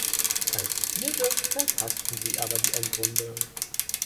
Als Vierte verpassten sie aber die Endrunde.